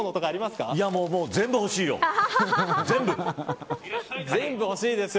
もう全部欲しいよ。